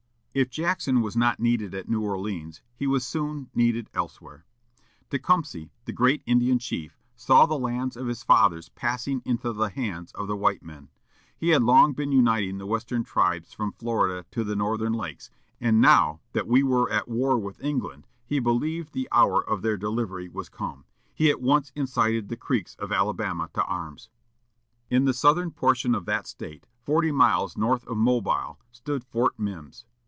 If Jackson was not needed at New Orleans, he was soon needed elsewhere. Tecumseh, the great Indian chief, saw the lands of his fathers passing into the hands of the white men. He had long been uniting the western tribes from Florida to the northern lakes, and, now that we were at war with England, he believed the hour of their delivery was come. He at once incited the Creeks of Alabama to arms. In the southern portion of that State, forty miles north of Mobile, stood Fort Mims.